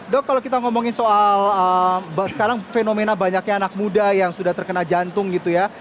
dok kalau kita ngomongin soal sekarang fenomena banyaknya anak muda yang sudah terkena jantung gitu ya